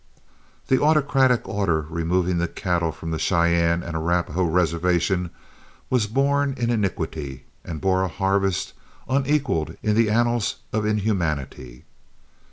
The autocratic order removing the cattle from the Cheyenne and Arapahoe reservation was born in iniquity and bore a harvest unequaled in the annals of inhumanity.